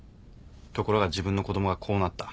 ところが自分の子供がこうなった。